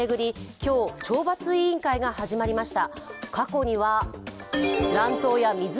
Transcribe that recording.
今日、懲罰委員会が始まりました。